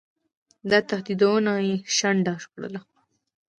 دا تهدیدونه یې شنډ کړل.